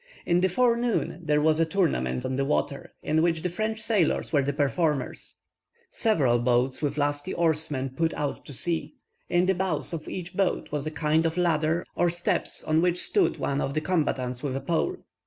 In the forenoon, there was a tournament on the water, in which the French sailors were the performers. Several boats with lusty oarsmen put out to sea. In the bows of each boat was a kind of ladder or steps, on which stood one of the combatants with a pole.